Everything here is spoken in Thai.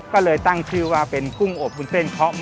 ก็เลยตั้งชื่อว่าเป็นกุ้งอบวุ้นเส้นเคาะห้อ